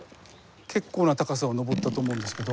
結構な高さを上ったと思うんですけど。